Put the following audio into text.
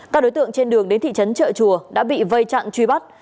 các đối tượng trên đường đến thị trấn trợ chùa đã bị vây chặn truy bắt